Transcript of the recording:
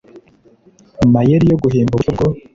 mayeri yo guhimba uburyo bwo